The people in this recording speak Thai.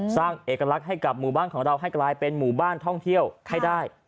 สร้างเอกลักษณ์ให้กับหมู่บ้านของเราให้กลายเป็นหมู่บ้านท่องเที่ยวให้ได้